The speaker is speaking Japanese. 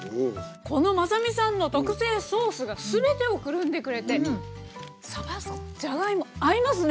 このまさみさんの特製ソースが全てをくるんでくれてさばじゃがいも合いますね！